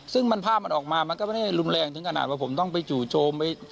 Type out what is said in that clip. ซึ่งภาพมันออกมามันก็ไม่ได้รุนแรงถึงขนาดว่าผมต้องไปจู่โจมไป